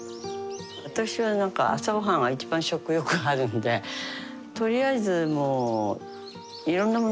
私は朝ごはんは一番食欲あるのでとりあえずもういろんなもの